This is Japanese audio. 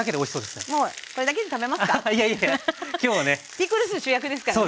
ピクルス主役ですからね。